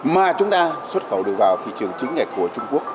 mà chúng ta xuất khẩu được vào thị trường chứng nhật của trung quốc